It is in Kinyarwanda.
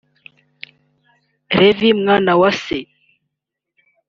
Levy Mwanawasa